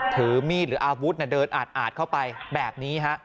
ถือมีดหรืออาวุธเดินอาดเข้าไปแบบนี้ฮะ